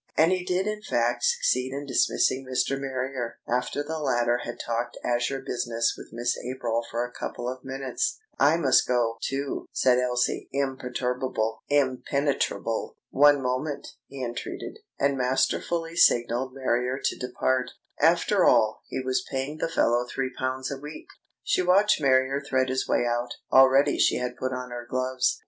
And he did in fact succeed in dismissing Mr. Marrier, after the latter had talked Azure business with Miss April for a couple of minutes. "I must go, too," said Elsie, imperturbable, impenetrable. "One moment," he entreated, and masterfully signalled Marrier to depart. After all, he was paying the fellow three pounds a week. She watched Marrier thread his way out. Already she had put on her gloves.